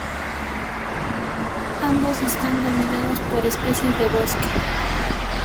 Ambos están dominados por especies de bosque.